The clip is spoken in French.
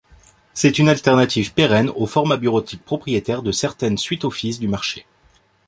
C'est une alternative pérenne aux formats bureautiques propriétaires de certaines suites office du marché.